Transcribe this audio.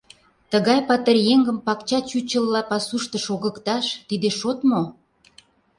Тыгай патыр еҥым пакча чучылла пасушто шогыкташ — тиде шот мо?